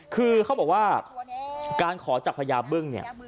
คือเขาบอกว่าการขอจากพญาบึ้งเนี่ย